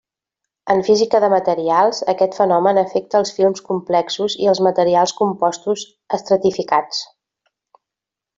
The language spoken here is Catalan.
En física de materials, aquest fenomen afecta els films complexos i els materials compostos estratificats.